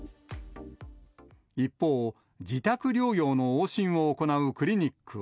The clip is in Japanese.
一方、自宅療養の往診を行うクリニックは。